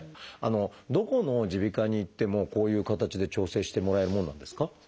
どこの耳鼻科に行ってもこういう形で調整してもらえるものなんですか？